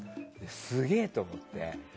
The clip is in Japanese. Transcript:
すげえって思って。